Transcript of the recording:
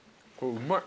うまい。